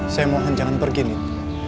saya mohon jangan pergi nih